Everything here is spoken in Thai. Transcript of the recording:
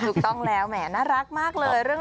ถูกต้องแล้วแหมน่ารักมากเลย